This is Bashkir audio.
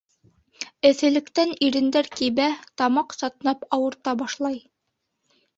Эҫелектән ирендәр кибә, тамаҡ сатнап ауырта башлай.